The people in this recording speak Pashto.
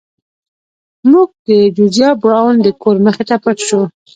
موږ د جوزیا براون د کور مخې ته پټ شو.